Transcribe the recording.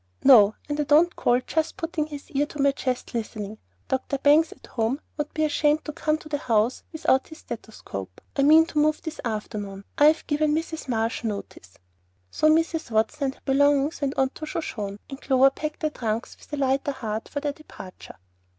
"No; and I don't call just putting his ear to my chest, listening. Dr. Bangs, at home, would be ashamed to come to the house without his stethoscope. I mean to move this afternoon. I've given Mrs. Marsh notice." So Mrs. Watson and her belongings went to the Shoshone, and Clover packed the trunks with a lighter heart for her departure.